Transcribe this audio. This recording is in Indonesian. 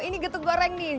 ini getuk goreng nih